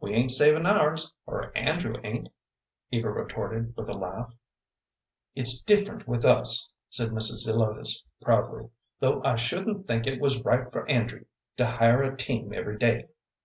"We ain't savin' ours, or Andrew ain't," Eva retorted, with a laugh. "It's different with us," said Mrs. Zelotes, proudly, "though I shouldn't think it was right for Andrew to hire a team every day."